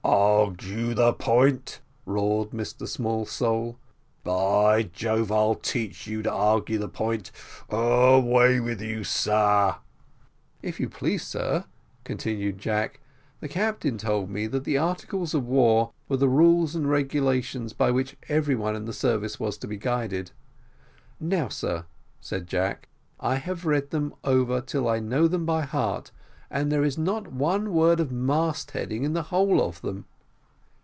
"Argue the point," roared Mr Smallsole. "By Jove, I'll teach you to argue the point away with you, sir." "If you please, sir," continued Jack, "the captain told me that the articles of war were the rules and regulations by which every one in the service was to be guided. Now, sir," said Jack, "I have read them over till I know them by heart, and there is not one word of mast heading in the whole of them."